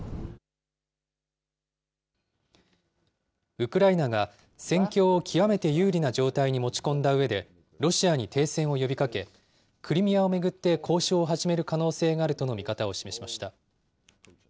ウクライナが戦況を極めて有利な状態に持ち込んだうえで、ロシアに停戦を呼びかけ、クリミアを巡って交渉を始める可能性があるとの見方を示しました。